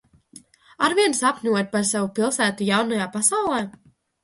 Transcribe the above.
Arvien sapņojat par savu pilsētu Jaunajā Pasaulē?